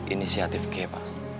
inisiatif kay pak